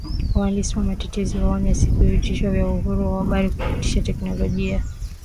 Waandishi na watetezi waonya kuhusu vitisho kwa uhuru wa habari kupitia teknolojia